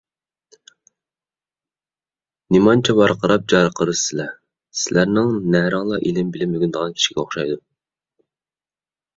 نېمانچە ۋارقىراپ - جارقىرىشىسىلەر! سىلەرنىڭ نەرىڭلار ئىلىم - بىلىم ئۆگىنىدىغان كىشىگە ئوخشايدۇ؟!